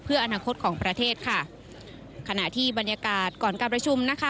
เพื่ออนาคตของประเทศค่ะขณะที่บรรยากาศก่อนการประชุมนะคะ